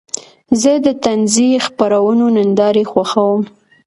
زه د طنزي خپرونو نندارې خوښوم.